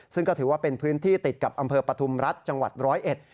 ซึ่งก็ถือว่าเป็นพื้นที่ติดกับอำเภอปฐุมรัฐจังหวัดร้อยเอ็ด